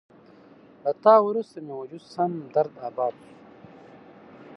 له تا وروسته مې وجود سم درداباد شو